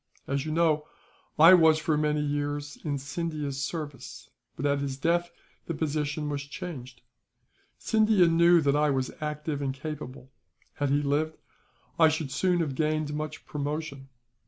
As you know, I was for many years in Scindia's service; but at his death the position was changed. Scindia knew that I was active and capable; had he lived, I should soon have gained much promotion.